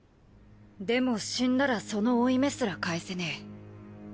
でも死んだらその負い目すら返せねえ。